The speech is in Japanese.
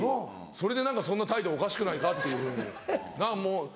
それでそんな態度おかしくないかっていうふうに何かもう。